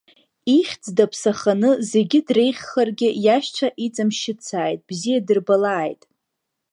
Ихьӡ даԥсаханы зегьы дреиӷьхаргьы иашьцәа иҵамшьыцааит, бзиа дырбалааит.